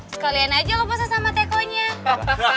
sekalian aja lo puasa sama tekonya